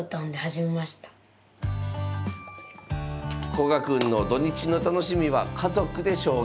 古賀くんの土日の楽しみは家族で将棋。